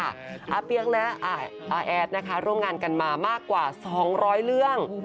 อ้าบเบี๊ยงและแอดแฟนร่วมงานกันมามากกว่า๒๐๐เรื่อง